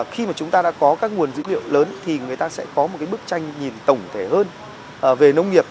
khi mà chúng ta đã có các nguồn dữ liệu lớn thì người ta sẽ có một bức tranh nhìn tổng thể hơn về nông nghiệp